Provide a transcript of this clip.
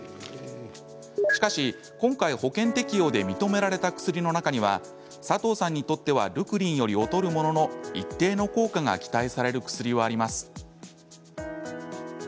しかし今回、保険適用で認められた薬の中には佐藤さんにとってはルクリンより劣るものの一定の効果が期待される薬はあります。